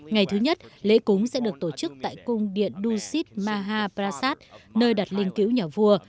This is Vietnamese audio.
ngày thứ nhất lễ cúng sẽ được tổ chức tại cung điện dushis maha prasat nơi đặt linh cứu nhà vua